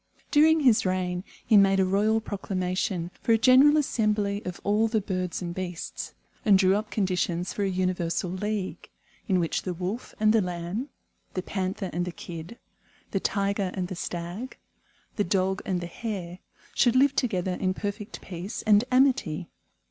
During his reign he made a royal proclamation for a general assembly of all the birds and beasts, and drew up conditions for a universal league, in which the Wolf and the Lamb, the Panther and the Kid, the Tiger and the Stag, the Dog and the Hare, should live together in perfect peace and amity.